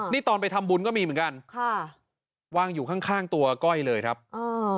นี่ตอนไปทำบุญก็มีเหมือนกันค่ะวางอยู่ข้างข้างตัวก้อยเลยครับเออ